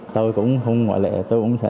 tôi cũng không ngoại lệ tôi cũng sợ